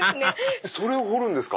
それを彫るんですか？